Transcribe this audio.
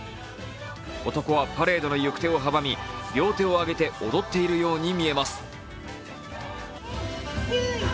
男はパレードの行く手を阻み両手を上げて踊っているように見えます。